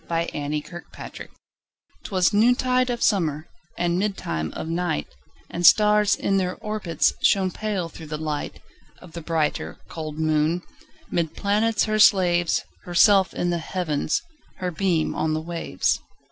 1827 Evening Star 'Twas noontide of summer, And midtime of night, And stars, in their orbits, Shone pale, through the light Of the brighter, cold moon. 'Mid planets her slaves, Herself in the Heavens, Her beam on the waves.